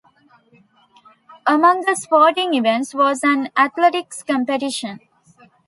Among the sporting events was an athletics competition.